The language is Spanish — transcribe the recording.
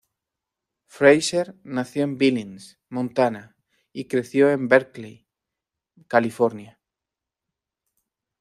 Fraser nació en Billings, Montana, y creció en Berkeley, California.